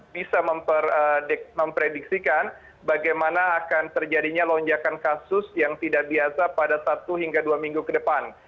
bisa memprediksikan bagaimana akan terjadinya lonjakan kasus yang tidak biasa pada satu hingga dua minggu ke depan